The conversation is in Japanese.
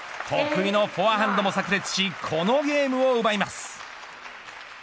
得意のフォアハンドもさく裂しこのゲームを奪います。